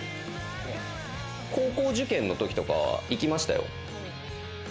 高校受験のときとかは行きましたよ。